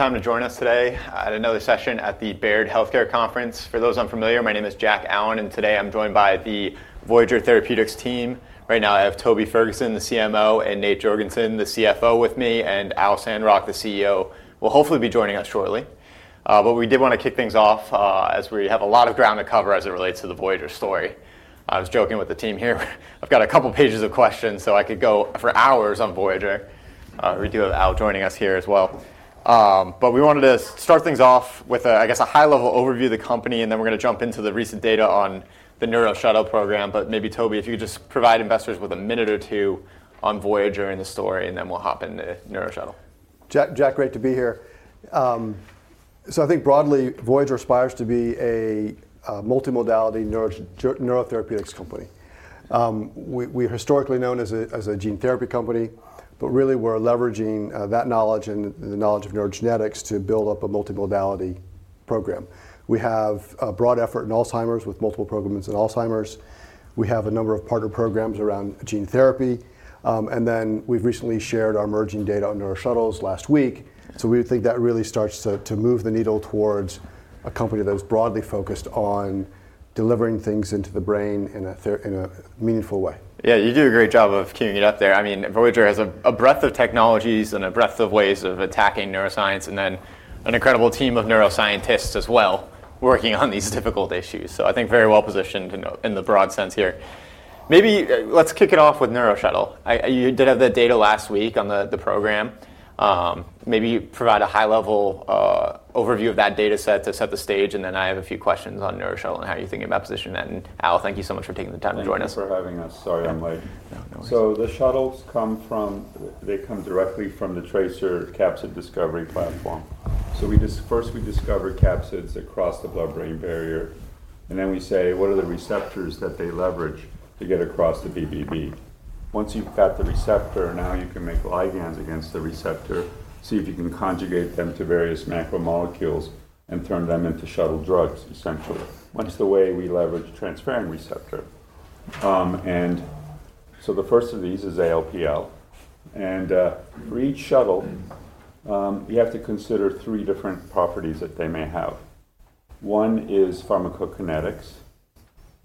Time to join us today at another session at the Baird Healthcare Conference. For those unfamiliar, my name is Jack Allen, and today I'm joined by the Voyager Therapeutics team. Right now, I have Toby Ferguson, the Chief Medical Officer, and Nathan Jorgensen, the Chief Financial Officer, with me, and Dr. Alfred W. Sandrock Jr., the Chief Executive Officer, who will hopefully be joining us shortly. We did want to kick things off as we have a lot of ground to cover as it relates to the Voyager story. I was joking with the team here. I've got a couple of pages of questions so I could go for hours on Voyager. We do have Al joining us here as well. We wanted to start things off with, I guess, a high-level overview of the company, and then we're going to jump into the recent data on the NeuroShuttle program. Maybe, Toby, if you could just provide investors with a minute or two on Voyager and the story, and then we'll hop into NeuroShuttle. Jack, great to be here. I think broadly, Voyager Therapeutics aspires to be a multimodality neurotherapeutics company. We're historically known as a gene therapy company, but really, we're leveraging that knowledge and the knowledge of neurogenetics to build up a multimodality program. We have a broad effort in Alzheimer's with multiple programs in Alzheimer's. We have a number of partner programs around gene therapy. We've recently shared our emerging data on NeuroShuttle last week. We think that really starts to move the needle towards a company that is broadly focused on delivering things into the brain in a meaningful way. Yeah, you do a great job of queuing it up there. I mean, Voyager Therapeutics has a breadth of technologies and a breadth of ways of attacking neuroscience, and an incredible team of neuroscientists as well working on these difficult issues. I think very well positioned in the broad sense here. Maybe let's kick it off with NeuroShuttle. You did have the data last week on the program. Maybe you provide a high-level overview of that data set to set the stage, and then I have a few questions on NeuroShuttle and how you think about positioning that. Al, thank you so much for taking the time to join us. Thanks for having us. Sorry I'm late. The shuttles come from, they come directly from the TRACER™ AAV capsid discovery platform. We first discover capsids across the blood-brain barrier, and then we say, what are the receptors that they leverage to get across the BBB? Once you've got the receptor, now you can make ligands against the receptor, see if you can conjugate them to various macromolecules, and turn them into shuttle drugs, essentially. That's the way we leverage a transferrin receptor. The first of these is ALPL. For each shuttle, you have to consider three different properties that they may have. One is pharmacokinetics.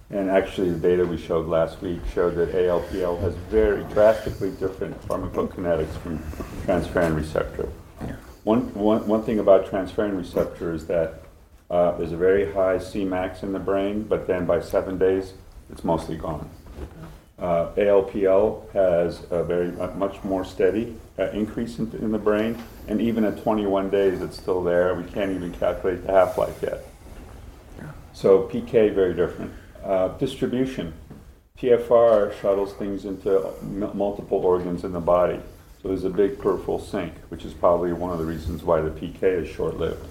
The data we showed last week showed that ALPL has very drastically different pharmacokinetics from the transferrin receptor. One thing about transferrin receptors is that there's a very high Cmax in the brain, but then by seven days, it's mostly gone. ALPL has a very much more steady increase in the brain, and even at 21 days, it's still there. We can't even calculate the half-life yet. PK, very different. Distribution. PFR shuttles things into multiple organs in the body, so there's a big peripheral sink, which is probably one of the reasons why the PK is short-lived.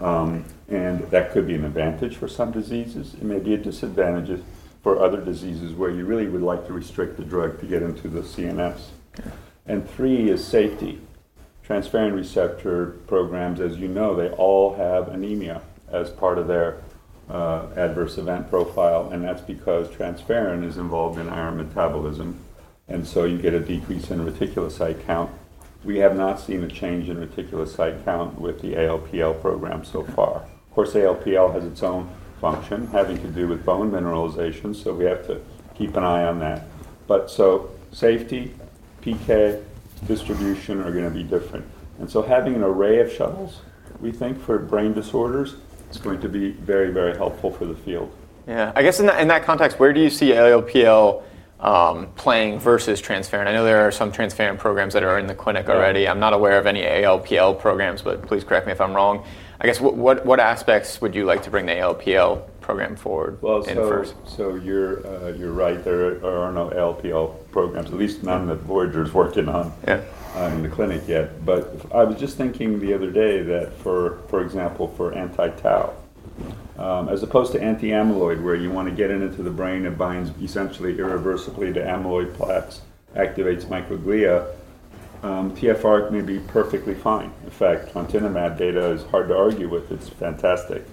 That could be an advantage for some diseases. It may be a disadvantage for other diseases where you really would like to restrict the drug to get into the CNS. Three is safety. Transferrin receptor programs, as you know, they all have anemia as part of their adverse event profile, and that's because transferrin is involved in iron metabolism, so you get a decrease in reticulocyte count. We have not seen a change in reticulocyte count with the ALPL program so far. Of course, ALPL has its own function having to do with bone mineralization, so we have to keep an eye on that. Safety, PK, distribution are going to be different. Having an array of shuttles, we think for brain disorders, it's going to be very, very helpful for the field. Yeah, I guess in that context, where do you see ALPL playing versus transferrin? I know there are some transferrin programs that are in the clinic already. I'm not aware of any ALPL programs, but please correct me if I'm wrong. I guess what aspects would you like to bring the ALPL program forward? You're right. There are no ALPL programs, at least none that Voyager is working on in the clinic yet. I was just thinking the other day that, for example, for anti-Tau, as opposed to anti-amyloid, where you want to get it into the brain, it binds essentially irreversibly to amyloid plaques, activates microglia. TFR may be perfectly fine. In fact, trontinimab data is hard to argue with. It's fantastic.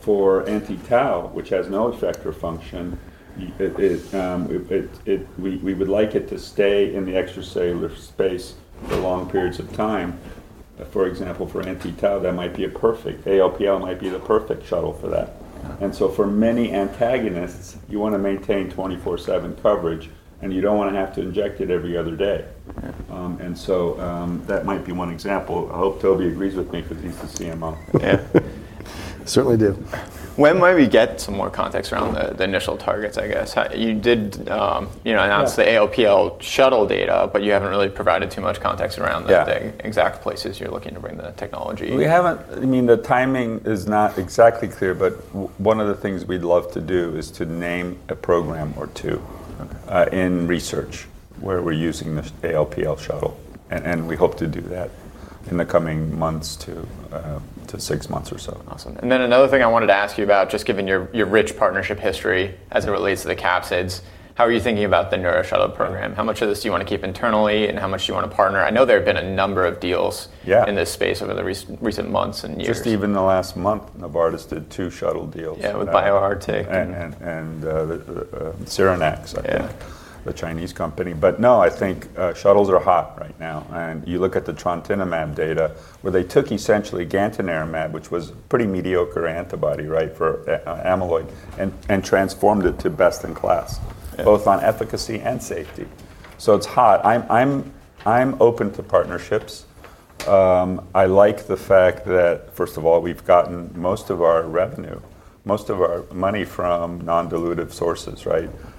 For anti-Tau, which has no effect or function, we would like it to stay in the extracellular space for long periods of time. For example, for anti-Tau, that might be perfect. ALPL might be the perfect shuttle for that. For many antagonists, you want to maintain 24/7 coverage, and you don't want to have to inject it every other day. That might be one example. I hope Toby agrees with me because he's the Chief Medical Officer. Certainly do. When might we get some more context around the initial targets, I guess? You did announce the ALPL shuttle data, but you haven't really provided too much context around the exact places you're looking to bring the technology. We haven't. The timing is not exactly clear, but one of the things we'd love to do is to name a program or two in research where we're using the ALPL shuttle. We hope to do that in the coming months to six months or so. Awesome. Another thing I wanted to ask you about, just given your rich partnership history as it relates to the capsids, how are you thinking about the NeuroShuttle program? How much of this do you want to keep internally, and how much do you want to partner? I know there have been a number of deals in this space over the recent months. Just even in the last month, Novartis did two shuttle deals. Yeah, with BioNTech. Cyranex, a Chinese company. I think shuttles are hot right now. You look at the trontinimab data where they took essentially gantenerumab, which was a pretty mediocre antibody for amyloid, and transformed it to best in class, both on efficacy and safety. It's hot. I'm open to partnerships. I like the fact that, first of all, we've gotten most of our revenue, most of our money from non-dilutive sources.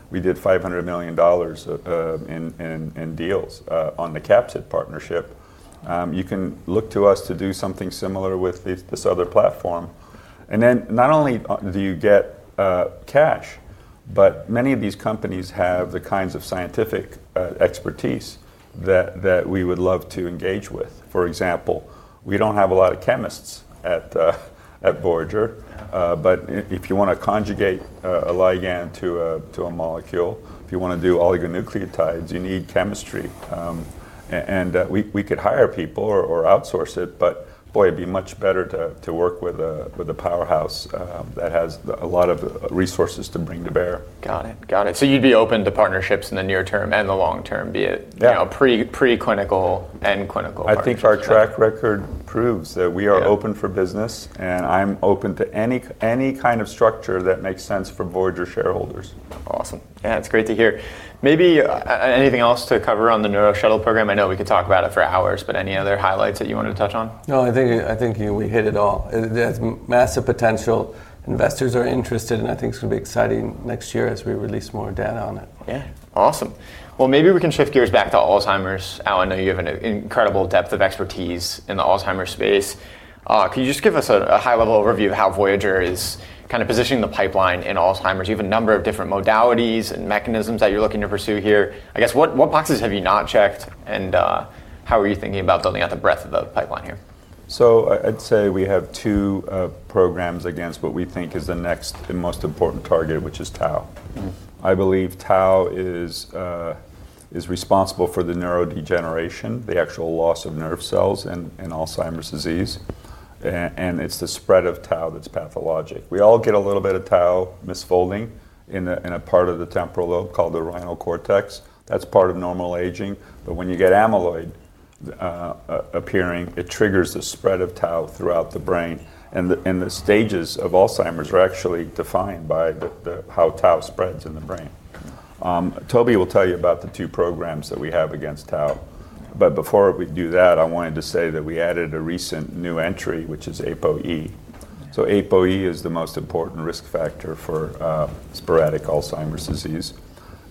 We did $500 million in deals on the capsid partnership. You can look to us to do something similar with this other platform. Not only do you get cash, but many of these companies have the kinds of scientific expertise that we would love to engage with. For example, we don't have a lot of chemists at Voyager. If you want to conjugate a ligand to a molecule, if you want to do oligonucleotides, you need chemistry. We could hire people or outsource it. It would be much better to work with a powerhouse that has a lot of resources to bring to bear. Got it. You'd be open to partnerships in the near term and the long term, be it now pre-clinical and clinical. I think our track record proves that we are open for business, and I'm open to any kind of structure that makes sense for Voyager shareholders. Awesome. Yeah, that's great to hear. Maybe anything else to cover on the NeuroShuttle program? I know we could talk about it for hours, but any other highlights that you wanted to touch on? No, I think we hit it all. It has massive potential. Investors are interested, and I think it's going to be exciting next year as we release more data on it. Yeah, awesome. Maybe we can shift gears back to Alzheimer's. Al, I know you have an incredible depth of expertise in the Alzheimer's space. Could you just give us a high-level overview of how Voyager is kind of positioning the pipeline in Alzheimer's? You have a number of different modalities and mechanisms that you're looking to pursue here. I guess what boxes have you not checked? How are you thinking about building out the breadth of the pipeline here? I'd say we have two programs against what we think is the next and most important target, which is Tau. I believe Tau is responsible for the neurodegeneration, the actual loss of nerve cells in Alzheimer's disease. It's the spread of Tau that's pathologic. We all get a little bit of Tau misfolding in a part of the temporal lobe called the rhino cortex. That's part of normal aging. When you get amyloid appearing, it triggers the spread of Tau throughout the brain. The stages of Alzheimer's are actually defined by how Tau spreads in the brain. Toby will tell you about the two programs that we have against Tau. Before we do that, I wanted to say that we added a recent new entry, which is APOE. APOE is the most important risk factor for sporadic Alzheimer's disease.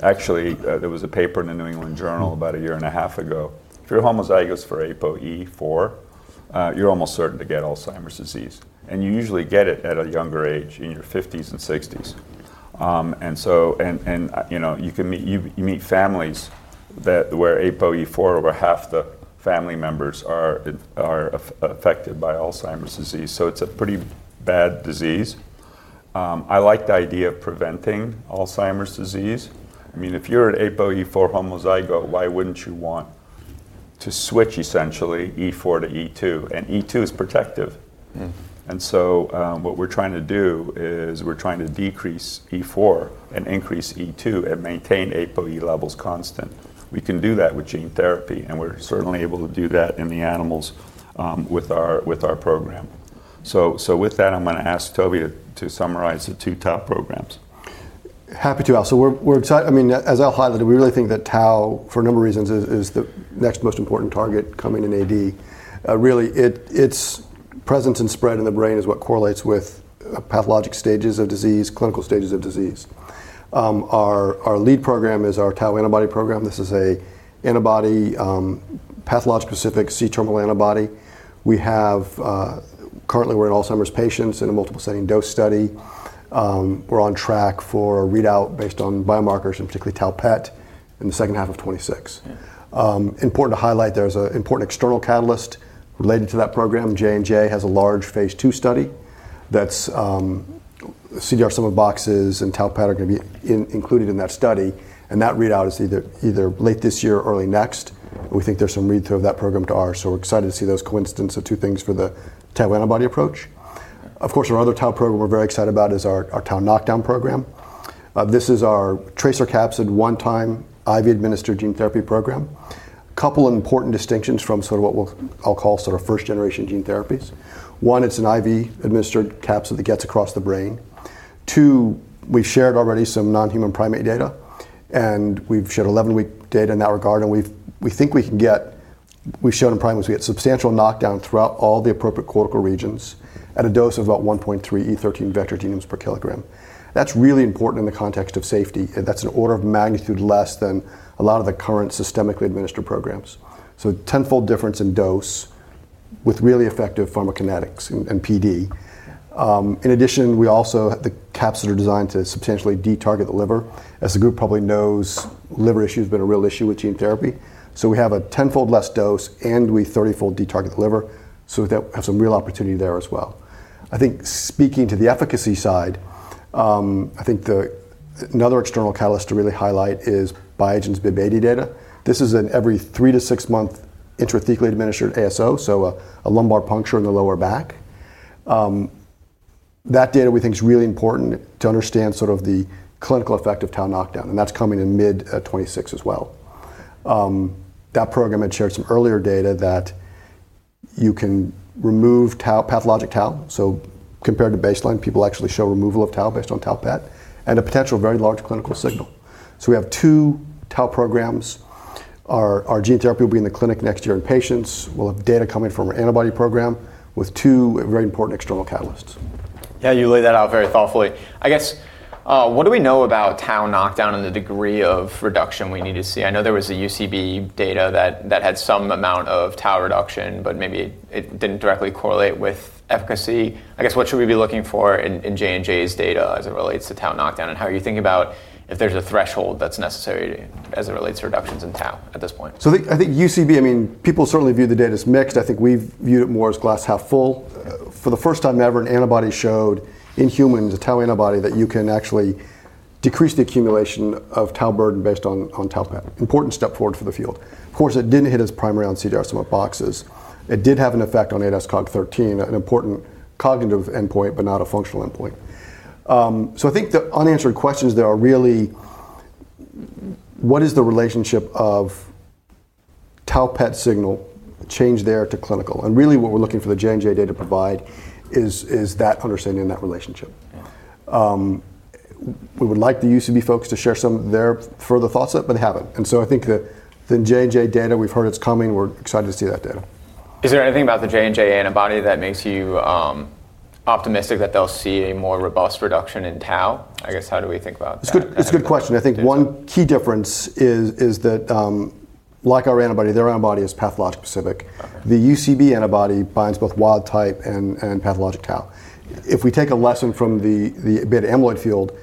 Actually, there was a paper in the New England Journal about a year and a half ago. If you're homozygous for APOE-4, you're almost certain to get Alzheimer's disease. You usually get it at a younger age, in your 50s and 60s. You can meet families where APOE-4, over half the family members are affected by Alzheimer's disease. It's a pretty bad disease. I like the idea of preventing Alzheimer's disease. I mean, if you're an APOE-4 homozygote, why wouldn't you want to switch, essentially, E4 to E2? E2 is protective. What we're trying to do is we're trying to decrease E4 and increase E2 and maintain APOE levels constant. We can do that with gene therapy, and we're certainly able to do that in the animals with our program. With that, I'm going to ask Toby to summarize the two top programs. Happy to, Al. We're excited. As Al highlighted, we really think that Tau, for a number of reasons, is the next most important target coming in AD. Its presence and spread in the brain is what correlates with pathologic stages of disease, clinical stages of disease. Our lead program is our Tau antibody program. This is an antibody, pathologic-specific C-terminal Tau antibody. Currently, we're in Alzheimer's patients in a multiple ascending dose study. We're on track for a readout based on biomarkers and particularly Tau-PET in the second half of 2026. It's important to highlight, there's an important external catalyst related to that program. Johnson & Johnson has a large phase II study that's CDR sum of boxes, and Tau-PET are going to be included in that study. That readout is either late this year or early next. We think there's some read-through of that program to ours. We're excited to see those coincidence of two things for the Tau antibody approach. Of course, our other Tau program we're very excited about is our Tau knockdown program. This is our TRACER™ AAV capsid one-time IV-administered gene therapy program. A couple of important distinctions from what I'll call first-generation gene therapies. One, it's an IV-administered capsid that gets across the brain. Two, we shared already some non-human primate data, and we've shared 11-week data in that regard. We think we can get, we've shown in primates, we get substantial knockdown throughout all the appropriate cortical regions at a dose of about 1.3E13 vector genomes per kilogram. That's really important in the context of safety. That's an order of magnitude less than a lot of the current systemically administered programs. A tenfold difference in dose with really effective pharmacokinetics and PD. In addition, we also have the capsids that are designed to substantially detarget the liver. As the group probably knows, liver issues have been a real issue with gene therapy. We have a tenfold less dose, and we thirtyfold detarget the liver. We have some real opportunity there as well. Speaking to the efficacy side, another external catalyst to really highlight is Biogen's BIIB080 data. This is an every three to six-month intrathecally administered ASO, a lumbar puncture in the lower back. That data we think is really important to understand the clinical effect of Tau knockdown. That's coming in mid 2026 as well. That program had shared some earlier data that you can remove pathologic Tau. Compared to baseline, people actually show removal of Tau based on Tau-PET and a potential very large clinical signal. We have two Tau programs. Our gene therapy will be in the clinic next year in patients. We'll have data coming from our antibody program with two very important external catalysts. Yeah, you laid that out very thoughtfully. I guess, what do we know about Tau knockdown and the degree of reduction we need to see? I know there was a UCB data that had some amount of Tau reduction, but maybe it didn't directly correlate with efficacy. What should we be looking for in Johnson & Johnson's data as it relates to Tau knockdown? How are you thinking about if there's a threshold that's necessary as it relates to reductions in Tau at this point? I think UCB, I mean, people certainly view the data as mixed. I think we've viewed it more as glass half full. For the first time ever, an antibody showed in humans, a Tau antibody that you can actually decrease the accumulation of Tau burden based on Tau-PET. Important step forward for the field. Of course, it didn't hit as primary on CDR sum of boxes. It did have an effect on 8S COG-13, an important cognitive endpoint, but not a functional endpoint. I think the unanswered questions there are really, what is the relationship of Tau-PET signal change there to clinical? What we're looking for the Johnson & Johnson data to provide is that understanding in that relationship. We would like the UCB folks to share some of their further thoughts on it, but haven't. I think the Johnson & Johnson data, we've heard it's coming. We're excited to see that data. Is there anything about the Johnson & Johnson antibody that makes you optimistic that they'll see a more robust reduction in Tau? I guess, how do we think about? It's a good question. I think one key difference is that, like our antibody, their antibody is pathologic specific. The UCB antibody binds both wild type and pathologic Tau. If we take a lesson from the beta amyloid field,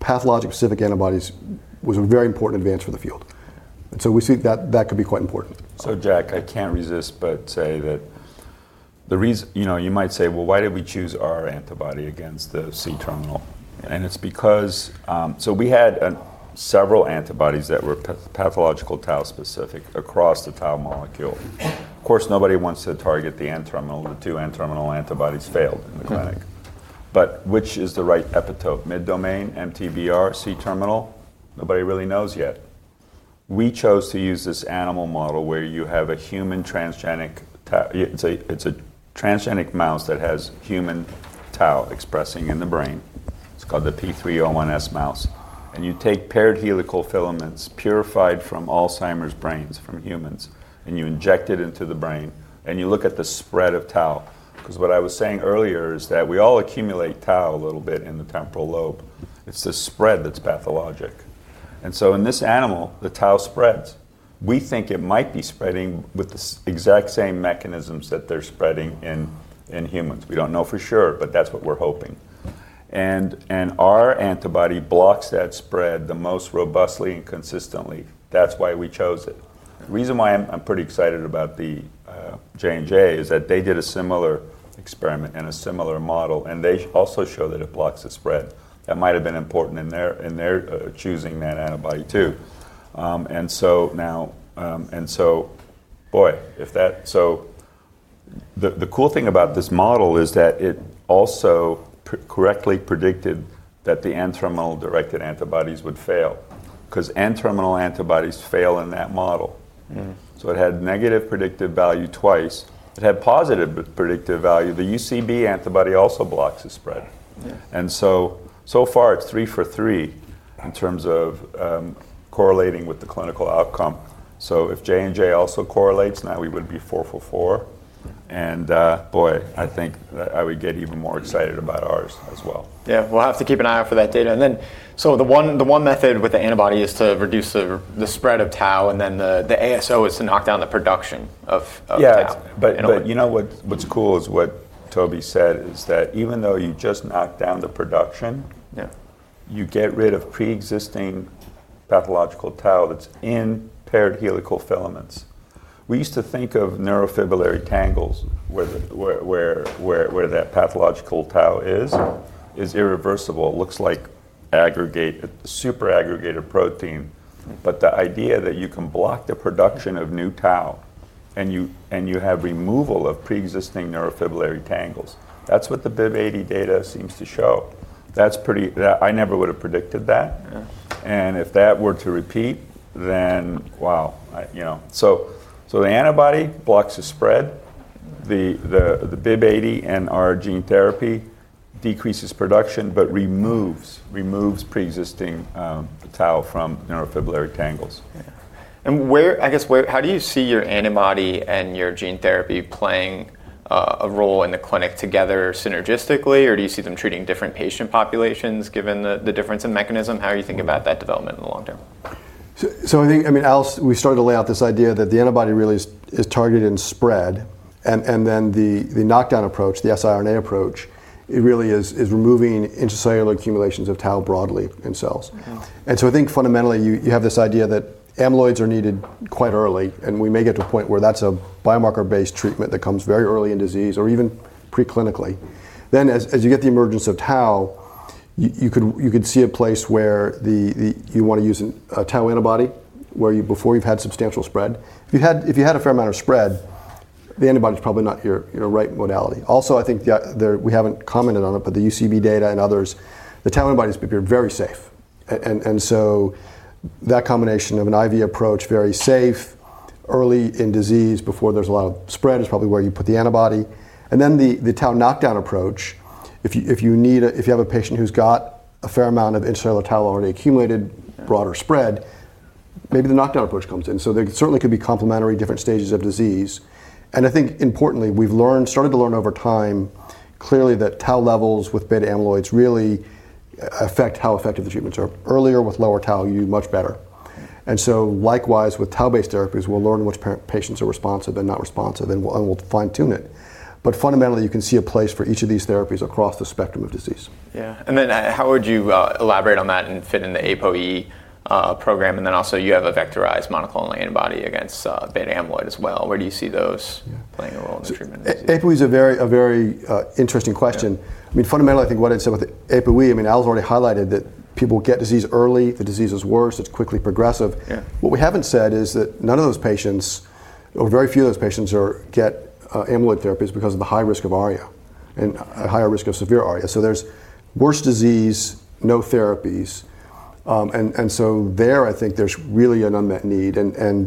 pathologic specific antibodies was a very important advance for the field. We see that that could be quite important. Jack, I can't resist but say that the reason, you know, you might say, why did we choose our antibody against the C-terminal? It's because we had several antibodies that were pathological Tau specific across the Tau molecule. Of course, nobody wants to target the N-terminal. The two N-terminal antibodies failed in the clinic. Which is the right epitope? Mid-domain, MTBR, C-terminal? Nobody really knows yet. We chose to use this animal model where you have a human transgenic, it's a transgenic mouse that has human Tau expressing in the brain. It's called the P301S mouse. You take paired helical filaments purified from Alzheimer's brains from humans, and you inject it into the brain, and you look at the spread of Tau. What I was saying earlier is that we all accumulate Tau a little bit in the temporal lobe. It's the spread that's pathologic. In this animal, the Tau spreads. We think it might be spreading with the exact same mechanisms that they're spreading in humans. We don't know for sure, but that's what we're hoping. Our antibody blocks that spread the most robustly and consistently. That's why we chose it. The reason why I'm pretty excited about the J&J is that they did a similar experiment and a similar model, and they also show that it blocks the spread. That might have been important in their choosing that antibody too. Now, the cool thing about this model is that it also correctly predicted that the N-terminal directed antibodies would fail, because N-terminal antibodies fail in that model. It had negative predictive value twice. It had positive predictive value. The UCB antibody also blocks the spread. So far, it's three for three in terms of correlating with the clinical outcome. If J&J also correlates, now we would be four for four. I think I would get even more excited about ours as well. We'll have to keep an eye out for that data. The one method with the antibody is to reduce the spread of Tau, and the ASO is to knock down the production of Tau. Yeah, but you know what's cool is what Toby said is that even though you just knocked down the production, you get rid of pre-existing pathological Tau that's in paired helical filaments. We used to think of neurofibrillary tangles where that pathological Tau is, as irreversible. It looks like super aggregated protein. The idea that you can block the production of new Tau and you have removal of pre-existing neurofibrillary tangles, that's what the Bib 80 data seems to show. That's pretty, I never would have predicted that. If that were to repeat, then wow, you know. The antibody blocks the spread. The Bib 80 and our gene therapy decreases production but removes pre-existing Tau from neurofibrillary tangles. How do you see your antibody and your gene therapy playing a role in the clinic together synergistically, or do you see them treating different patient populations given the difference in mechanism? How are you thinking about that development in the long term? I think, Al, we started to lay out this idea that the antibody really is targeted in spread. The knockdown approach, the siRNA approach, really is removing intracellular accumulations of Tau broadly in cells. I think fundamentally, you have this idea that amyloids are needed quite early, and we may get to a point where that's a biomarker-based treatment that comes very early in disease or even preclinically. As you get the emergence of Tau, you could see a place where you want to use a Tau antibody where you've had substantial spread. If you had a fair amount of spread, the antibody is probably not your right modality. I think we haven't commented on it, but the UCB data and others, the Tau antibodies appear very safe. That combination of an IV approach, very safe, early in disease before there's a lot of spread is probably where you put the antibody. The Tau knockdown approach, if you have a patient who's got a fair amount of intracellular Tau already accumulated, broader spread, maybe the knockdown approach comes in. There certainly could be complementary different stages of disease. I think importantly, we've learned, started to learn over time clearly that Tau levels with beta amyloids really affect how effective the treatments are. Earlier with lower Tau, you do much better. Likewise, with Tau-based therapies, we'll learn which patients are responsive and not responsive, and we'll fine-tune it. Fundamentally, you can see a place for each of these therapies across the spectrum of disease. Yeah, how would you elaborate on that and fit in the APOE program? You have a vectorized monoclonal antibody against beta amyloid as well. Where do you see those playing a role in the treatment? APOE is a very interesting question. Fundamentally, I think what I'd said with APOE, Al's already highlighted that people get disease early. The disease is worse. It's quickly progressive. What we haven't said is that none of those patients, or very few of those patients, get amyloid therapies because of the high risk of ARIA, and a higher risk of severe ARIA. There's worse disease, no therapies. I think there's really an unmet need.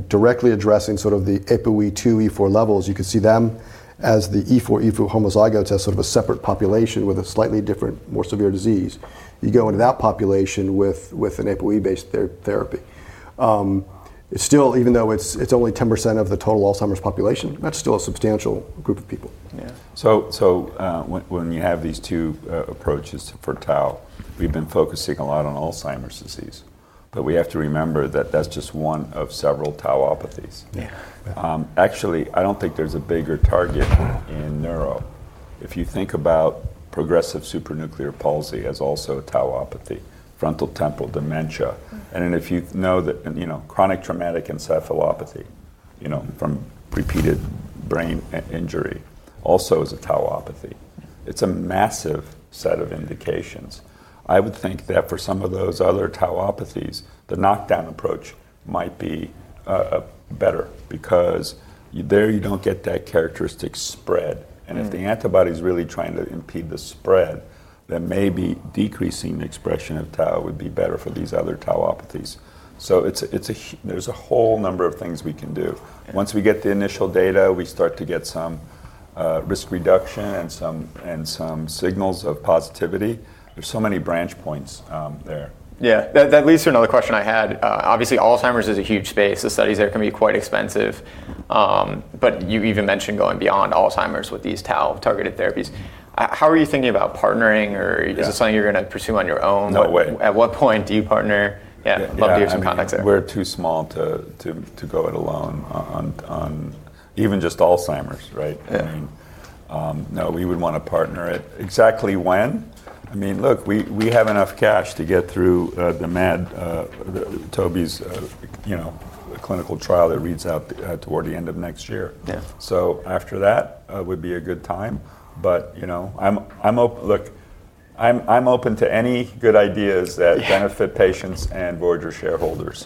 Directly addressing the APOE 2E4 levels, you can see them as the E4 homozygotes as a separate population with a slightly different, more severe disease. You go into that population with an APOE-based therapy. Even though it's only 10% of the total Alzheimer's population, that's still a substantial group of people. Yeah, so when you have these two approaches for Tau, we've been focusing a lot on Alzheimer's disease. We have to remember that that's just one of several tauopathies. Actually, I don't think there's a bigger target in neuro. If you think about progressive supranuclear palsy as also a tauopathy, frontotemporal dementia, and then if you know that chronic traumatic encephalopathy from repeated brain injury also is a tauopathy, it's a massive set of indications. I would think that for some of those other tauopathies, the knockdown approach might be better because there you don't get that characteristic spread. If the antibody is really trying to impede the spread, then maybe decreasing the expression of Tau would be better for these other tauopathies. There's a whole number of things we can do. Once we get the initial data, we start to get some risk reduction and some signals of positivity. There's so many branch points there. Yeah, that leads to another question I had. Obviously, Alzheimer's is a huge space. The studies there can be quite expensive. You even mentioned going beyond Alzheimer's with these Tau-targeted therapies. How are you thinking about partnering? Is it something you're going to pursue on your own? No way. At what point do you partner? I'd love to hear some context there. We're too small to go it alone on even just Alzheimer's, right? I mean, no, we would want to partner it. Exactly when? I mean, look, we have enough cash to get through the mad Toby's, you know, clinical trial that reads out toward the end of next year. After that would be a good time. I'm open. I'm open to any good ideas that benefit patients and Voyager shareholders.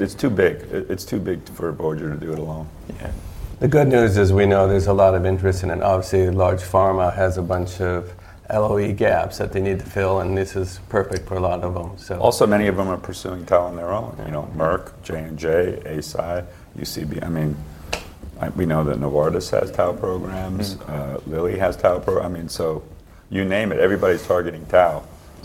It's too big. It's too big for Voyager to do it alone. Yeah. The good news is we know there's a lot of interest in it. Obviously, large pharma has a bunch of LOE gaps that they need to fill, and this is perfect for a lot of them. Also, many of them are pursuing Tau on their own. You know, Merck, Johnson & Johnson, Eisai, UCB. I mean, we know that Novartis has Tau programs. Lilly has Tau programs. You name it, everybody's targeting Tau.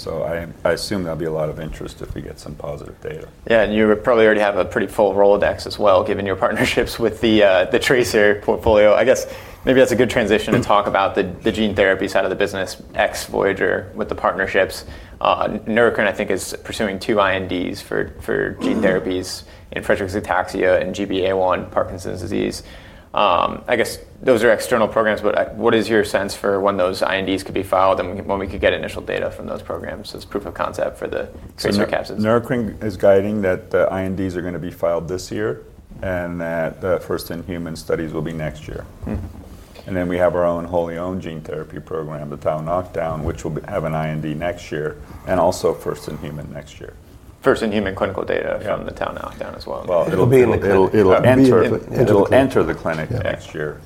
I assume there'll be a lot of interest if we get some positive data. Yeah, and you probably already have a pretty full Rolodex as well, given your partnerships with the TRACER™ portfolio. I guess maybe that's a good transition to talk about the gene therapy side of the business, ex-Voyager with the partnerships. Neurocrine Biosciences, I think, is pursuing two INDs for gene therapies in Friedreich's ataxia and GBA1 Parkinson's disease. I guess those are external programs, but what is your sense for when those INDs could be filed and when we could get initial data from those programs as proof of concept for the TRACER™ capsids? Biosciences is guiding that the INDs are going to be filed this year and that the first in human studies will be next year. We have our own wholly owned gene therapy program, the Tau knockdown, which will have an IND next year and also first in human next year. First-in-human clinical data from the Tau knockdown as well. It'll enter the clinic next year.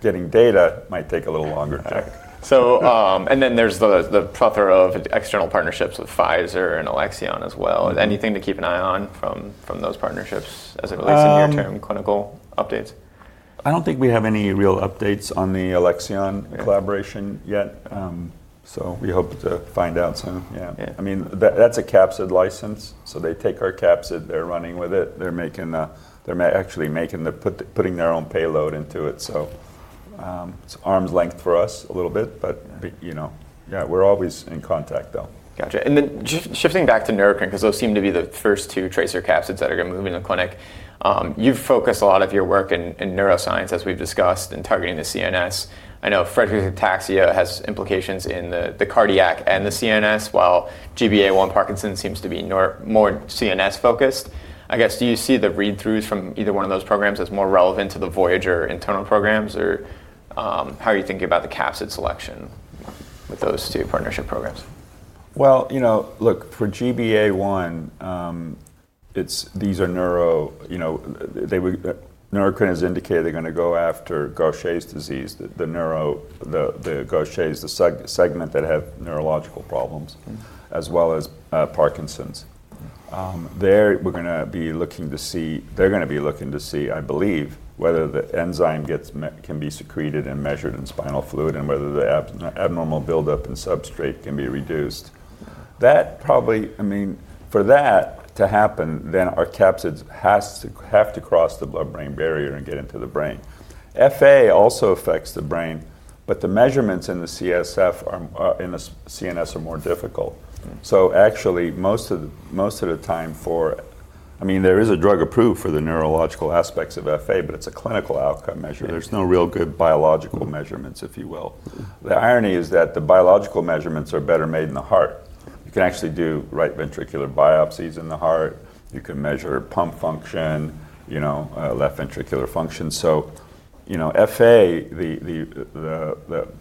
Getting data might take a little longer time. There is the proffer of external partnerships with Pfizer and Alexion as well. Anything to keep an eye on from those partnerships as it relates to near-term clinical updates? I don't think we have any real updates on the Alexion collaboration yet. We hope to find out soon. Yeah, I mean, that's a capsid license. They take our capsid, they're running with it. They're actually making the, putting their own payload into it. It's arm's length for us a little bit, but you know, yeah, we're always in contact though. Gotcha. Shifting back to Neurocrine Biosciences, because those seem to be the first two TRACER™ capsids that are going to move in the clinic, you've focused a lot of your work in neuroscience, as we've discussed, and targeting the CNS. I know Friedreich's ataxia has implications in the cardiac and the CNS, while GBA1 Parkinson's disease seems to be more CNS focused. I guess, do you see the read-throughs from either one of those programs as more relevant to the Voyager internal programs? How are you thinking about the capsid selection with those two partnership programs? For GBA1, Neurocrine Biosciences has indicated they're going to go after Gaucher's disease, the segment that has neurological problems, as well as Parkinson's. They're going to be looking to see, I believe, whether the enzyme can be secreted and measured in spinal fluid and whether the abnormal buildup and substrate can be reduced. That probably, I mean, for that to happen, then our capsids have to cross the blood-brain barrier and get into the brain. Friedreich's ataxia also affects the brain, but the measurements in the CSF, in the CNS are more difficult. Actually, most of the time, there is a drug approved for the neurological aspects of Friedreich's ataxia, but it's a clinical outcome measure. There's no real good biological measurements, if you will. The irony is that the biological measurements are better made in the heart. You can actually do right ventricular biopsies in the heart. You can measure pump function, left ventricular function. For Friedreich's ataxia,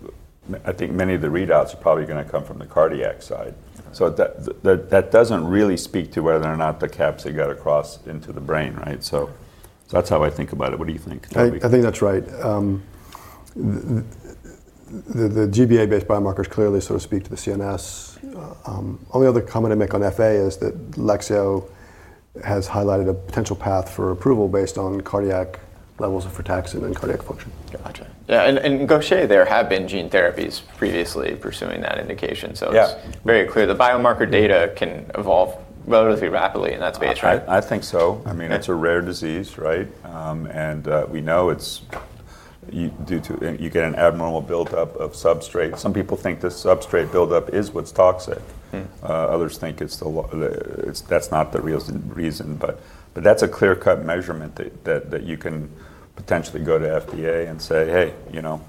I think many of the readouts are probably going to come from the cardiac side. That doesn't really speak to whether or not the capsid got across into the brain, right? That's how I think about it. What do you think? I think that's right. The GBA-based biomarkers clearly sort of speak to the CNS. The only other comment I make on FA is that Alexion has highlighted a potential path for approval based on cardiac levels of frataxin and cardiac function. Gotcha. Yeah, and Gaucher, there have been gene therapies previously pursuing that indication. It's very clear the biomarker data can evolve relatively rapidly in that space, right? I think so. I mean, it's a rare disease, right? We know it's due to, you get an abnormal buildup of substrate. Some people think this substrate buildup is what's toxic. Others think that's not the real reason. That's a clear-cut measurement that you can potentially go to FDA and say, hey, you know,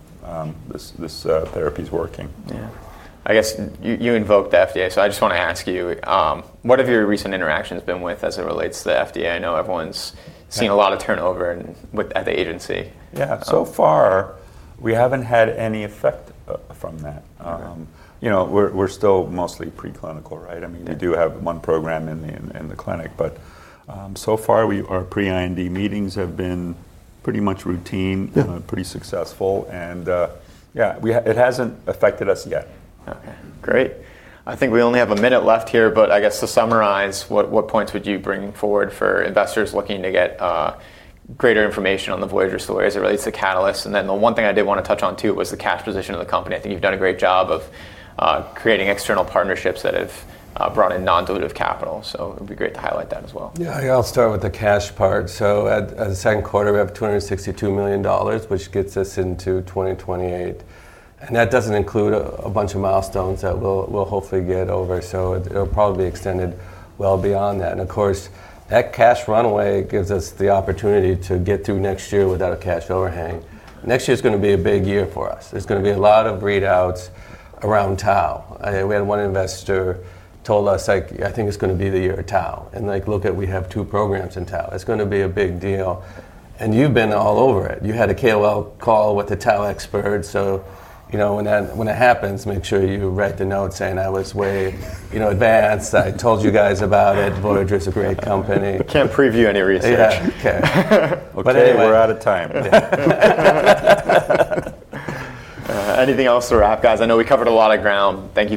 this therapy's working. Yeah, I guess you invoked FDA. I just want to ask you, what have your recent interactions been with as it relates to the FDA? I know everyone's seen a lot of turnover at the agency. Yeah, so far, we haven't had any effect from that. We're still mostly preclinical, right? I mean, we do have one program in the clinic, but so far, our pre-IND meetings have been pretty much routine, pretty successful. It hasn't affected us yet. Okay, great. I think we only have a minute left here, but I guess to summarize, what points would you bring forward for investors looking to get greater information on the Voyager Therapeutics story as it relates to catalysts? The one thing I did want to touch on too was the cash position of the company. I think you've done a great job of creating external partnerships that have brought in non-dilutive capital. It would be great to highlight that as well. Yeah, I'll start with the cash part. At the second quarter, we have $262 million, which gets us into 2028. That doesn't include a bunch of milestones that we'll hopefully get over, so it'll probably be extended well beyond that. Of course, that cash runway gives us the opportunity to get through next year without a cash overhang. Next year is going to be a big year for us. There's going to be a lot of readouts around Tau. We had one investor tell us, like, I think it's going to be the year of Tau. Look at, we have two programs in Tau. It's going to be a big deal. You've been all over it. You had a KOL call with the Tau expert. When that happens, make sure you write the note saying I was way, you know, advanced. I told you guys about it. Voyager Therapeutics is a great company. Can't preview any research. Okay. Anyway, we're out of time. Anything else to wrap, guys? I know we covered a lot of ground. Thank you.